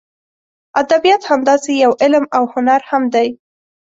ادبیات همداسې یو علم او هنر هم دی.